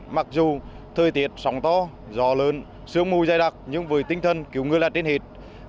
mặc dù thời tiết sống to gió lớn sương mù dài đặc nhưng với tinh thần cứu ngư làn trên hịt